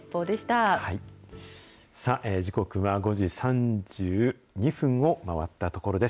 時刻は５時３２分を回ったところです。